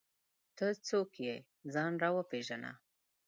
ته څوک یې ؟ ځان راوپېژنه!